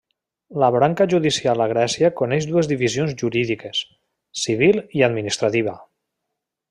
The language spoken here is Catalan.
La branca judicial a Grècia coneix dues divisions jurídiques: civil i administrativa.